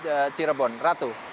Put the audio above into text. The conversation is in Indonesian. arah cirebon ratu